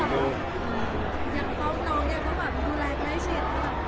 ยังพร้อมน้องเนี่ยก็แบบดูแลให้ไม่เช็ด